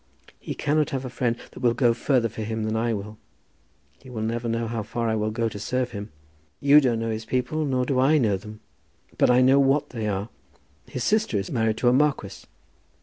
He cannot have a friend that will go further for him than I will. He will never know how far I will go to serve him. You don't know his people. Nor do I know them. But I know what they are. His sister is married to a marquis."